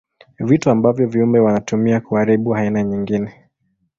Vitu ambavyo viumbe wanatumia kuharibu aina nyingine.